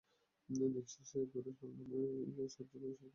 দিন শেষে দূরের রাঙামেঘ সাঁতরে এসব গাছে পাখিরা নিজেদের কুলায় ফেরে।